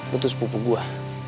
lu tuh sepupu gua